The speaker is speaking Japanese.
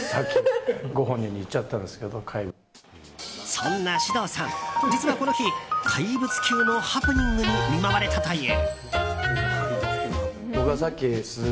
そんな獅童さん、実はこの日怪物級のハプニングに見舞われたという。